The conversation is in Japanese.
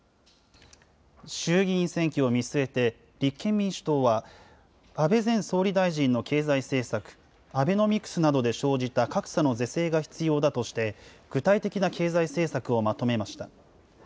衆議院選挙を見据えて、立憲民主党は、安倍前総理大臣の経済政策、アベノミクスなどで生じた格差の是正が必要だとして、具体的な経済政策をまとめました。